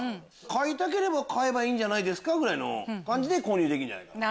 買いたければ買えばいいんじゃないぐらいの感じで購入できる。